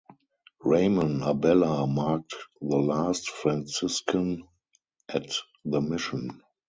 Ramon Abella marked the last Franciscan at the mission.